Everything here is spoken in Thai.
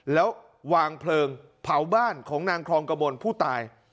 แล้ววางเพลิงเผาบ้านของนางครองกระมวลผู้ตาย